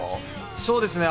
そうですね。